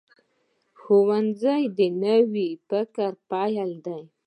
ښوونځی د نوي فکر پیل دی